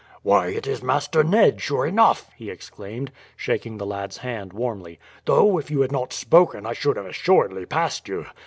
"Why, it is Master Ned, sure enough!" he exclaimed, shaking the lad's hand warmly. "Though if you had not spoken I should have assuredly passed you.